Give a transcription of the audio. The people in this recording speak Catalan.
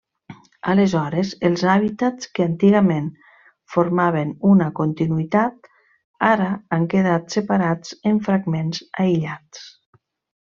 Aleshores, els hàbitats que antigament formaven una continuïtat ara han quedat separats en fragments aïllats.